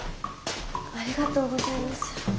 ありがとうございます。